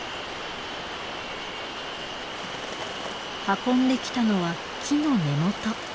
運んできたのは木の根元。